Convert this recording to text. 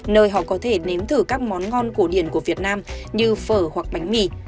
nơi họ có thể nếm thử các món ngon cổ điển của việt nam như phở hoặc bánh mì